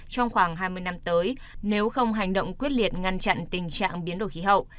trong khoảng hai mươi năm tới nếu không hành động quyết liệt ngăn chặn tình trạng biến đổi khí hậu